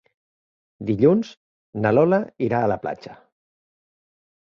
Dilluns na Lola irà a la platja.